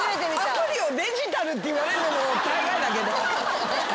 アプリをデジタルって言われんのも大概だけど。